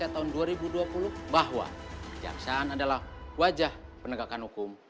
aparat penegak hukum